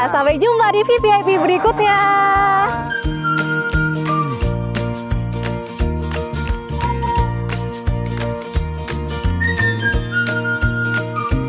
sampai jumpa di vvip berikutnya